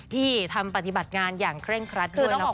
ที่ทำปฏิบัติงานอย่างเคร่งครัดด้วยนะคะ